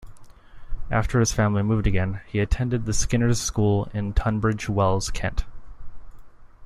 After his family moved again, he attended the Skinners' School in Tunbridge Wells, Kent.